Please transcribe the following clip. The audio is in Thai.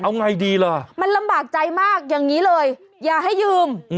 มันยังไงดีเหรอมันลำบากใจมากอย่างนี้เลยอย่าให้ยืม